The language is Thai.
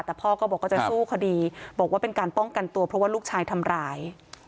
แต่พ่อก็บอกว่าจะสู้คดีบอกว่าเป็นการป้องกันตัวเพราะว่าลูกชายทำร้าย